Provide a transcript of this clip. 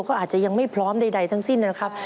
ก็อาจจะยังไม่พร้อมใดทั้งสิ้นนะครับ